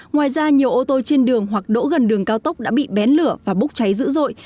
ngoài ra nhiều ô tô trên đường hoặc đỗ gần đường cao tốc đã bị bén lửa và bốc cháy dữ dội